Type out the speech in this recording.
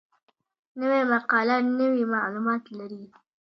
نوې مقاله نوي معلومات لري